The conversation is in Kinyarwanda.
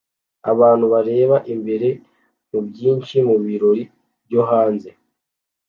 Abantu bareba imbere mubyinshi mubirori byo hanze